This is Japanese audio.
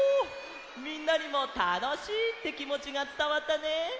みんなにも「たのしい」ってきもちがつたわったね。